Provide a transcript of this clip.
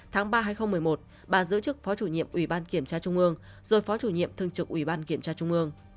tháng ba hai nghìn một mươi một bà giữ chức phó chủ nhiệm ủy ban kiểm tra trung ương rồi phó chủ nhiệm thương trực ủy ban kiểm tra trung ương